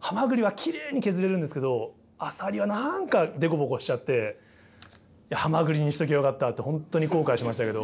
ハマグリはきれいに削れるんですけどアサリは何か凸凹しちゃってハマグリにしときゃよかったって本当に後悔しましたけど。